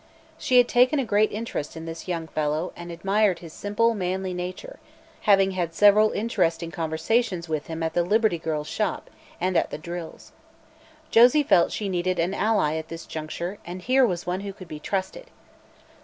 She had taken a great interest in this young fellow and admired his simple, manly nature, having had several interesting conversations with him at the Liberty Girls' Shop and at the drills. Josie felt she needed an ally at this juncture, and here was one who could be trusted.